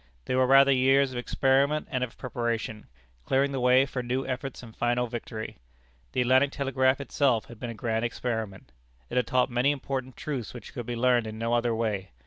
They were rather years of experiment and of preparation, clearing the way for new efforts and final victory. The Atlantic Telegraph itself had been a grand experiment. It had taught many important truths which could be learned in no other way.